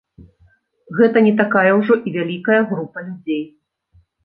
Гэта не такая ўжо і вялікая група людзей.